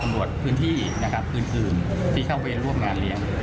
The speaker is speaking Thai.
กับตรวจพื้นที่จะเข้าไปร่วมงานเรียน